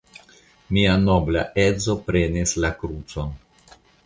Mia nobla edzo prenis la krucon.